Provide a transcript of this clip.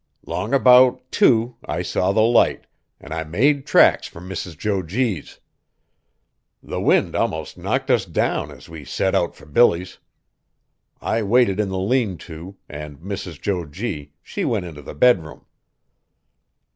'Long 'bout two, I saw the light, an' I made tracks for Mrs. Jo G.'s. The wind almost knocked us down as we set out for Billy's. I waited in the lean to, an' Mrs. Jo G. she went int' the bedroom."